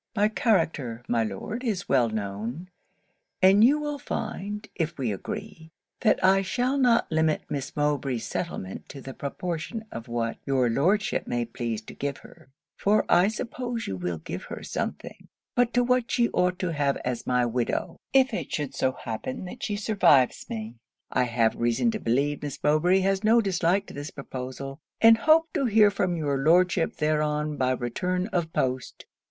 'My character, my Lord, is well known: and you will find, if we agree, that I shall not limit Miss Mowbray's settlement to the proportion of what your Lordship may please to give her, (for I suppose you will give her something) but to what she ought to have as my widow, if it should so happen that she survives me. 'I have reason to believe Miss Mowbray has no dislike to this proposal; and hope to hear from your Lordship thereon by return of post.